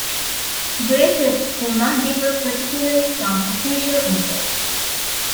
Grey sets do not differ particularly from official imports.